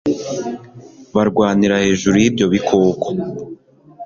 barwanira hejuru y'ibyo bikoko